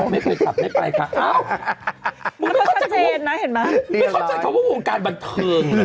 ไม่เข้าใจว่าอวงการบันเทิง